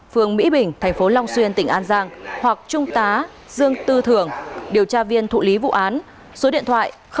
phường mỹ bình tp long xuyên tỉnh an giang hoặc trung tá dương tư thưởng điều tra viên thụ lý vụ án số chín trăm một mươi chín sáu mươi năm trăm năm mươi bảy